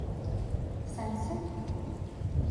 Сәнсеп?